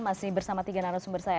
masih bersama tiga narasumber saya